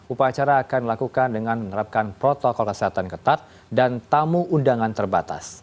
upacara akan dilakukan dengan menerapkan protokol kesehatan ketat dan tamu undangan terbatas